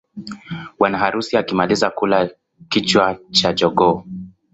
Bwana harusi akimaliza kula kichwa cha jogoo